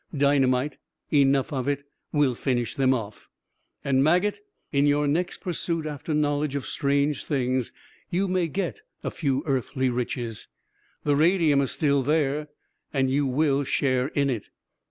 Dynamite, enough of it, will finish them off. And, Maget, in your next pursuit after knowledge of strange things, you may get a few earthly riches. The radium is still there, and you will share in it."